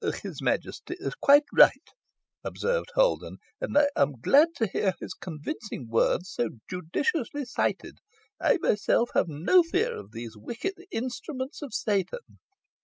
'" "His majesty is quite right," observed Holden, "and I am glad to hear his convincing words so judiciously cited. I myself have no fear of these wicked instruments of Satan."